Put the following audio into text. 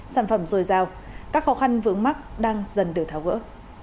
sản phẩm dồi dào các khó khăn vướng mắt đang dần được tháo gỡ